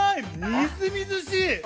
みずみずしい。